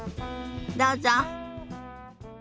どうぞ。